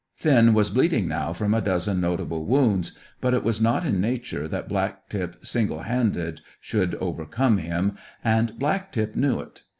Finn was bleeding now from a dozen notable wounds, but it was not in nature that Black tip single handed should overcome him, and Black tip knew it.